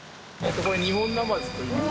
これニホンナマズという。